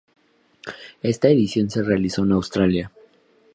Esta edición se realizó en Austria.